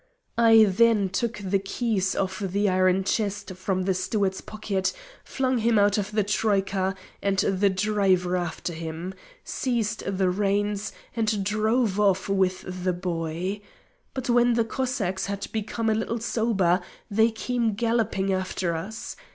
"I then took the keys of the iron chest from the steward's pocket, flung him out of the troïka and the driver after him, seized the reins and drove off with the boy. But when the Cossacks had become a little sober they came galloping after us.